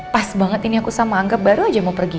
pas banget ini aku sama anggap baru aja mau pergi